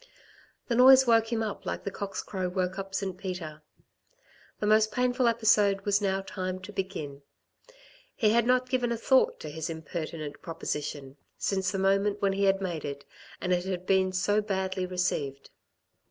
The noise woke him up like the cock's crow woke up St. Peter. The most painful episode was now timed to begin — he had not given a thought to his impertinent proposition, since the moment when he had made it and it had been so badly received.